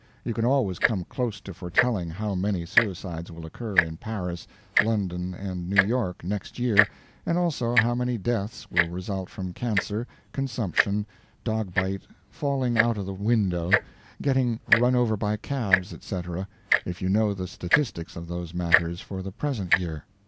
You can always come close to foretelling how many suicides will occur in Paris, London, and New York, next year, and also how many deaths will result from cancer, consumption, dog bite, falling out of the window, getting run over by cabs, etc., if you know the statistics of those matters for the present year.